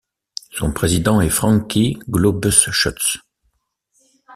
Son président est Frankie Globuschutz.